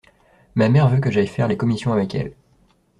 Ma mère veut que j’aille faire les commissions avec elle.